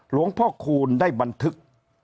หลวงพ่อคูณได้บันทึก